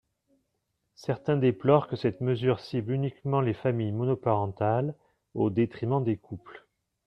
Certains déplorent que cette mesure cible uniquement les familles monoparentales, au détriment des couples.